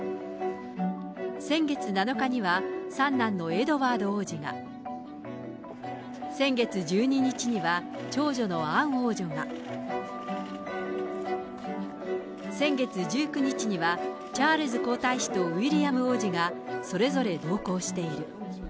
先月７日には、三男のエドワード王子が、先月１２日には、長女のアン王女が、先月１９日にはチャールズ皇太子とウィリアム王子が、それぞれ同行している。